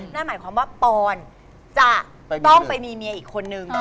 นั่นหมายความว่าปอนจะต้องไปมีเมียอีกคนนึง